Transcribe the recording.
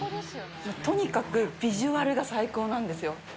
とにかくビジュアルが最高なんですよ。